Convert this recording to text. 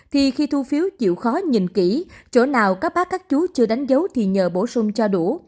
thì khi thu phiếu chịu khó nhìn kỹ chỗ nào các bác các chú chưa đánh dấu thì nhờ bổ sung cho đủ